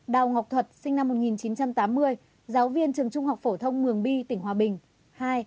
ba đào ngọc thuật sinh năm một nghìn chín trăm tám mươi giáo viên trường trung học phổ thông mường bi tỉnh hòa bình